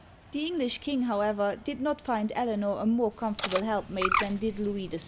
The English king, however, did not find Eleanor a more comfortable helpmate than did Louis VII.